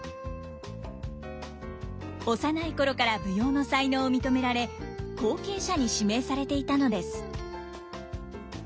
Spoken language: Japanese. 幼い頃から舞踊の才能を認められ後継者に指名されていたのです。